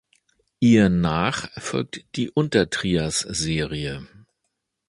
Ihr nach folgt die Untertrias-Serie.